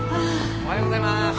・おはようございます。